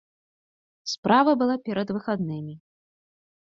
Справа была перад выхаднымі.